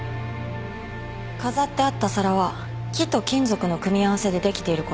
飾ってあった皿は木と金属の組み合わせでできていること。